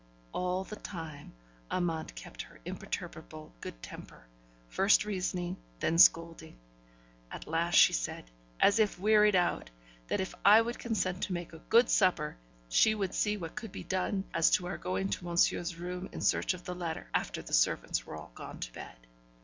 All the time, Amante kept her imperturbable good temper, first reasoning, then scolding. At last she said, as if wearied out, that if I would consent to make a good supper, she would see what could be done as to our going to monsieur's room in search of the letter, after the servants were all gone to bed.